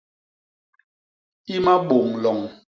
I Mabôñ-loñ.